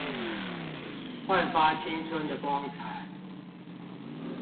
煥發青春的光彩